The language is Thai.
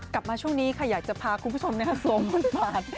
กลับมาช่วงนี้ใครอยากจะพาคุณผู้ชมในอาโศงบนปาด